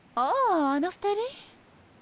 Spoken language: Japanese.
ああの２人？